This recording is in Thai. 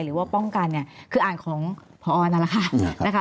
หรือว่าป้องกันคืออ่านของผนั่นแหละค่ะ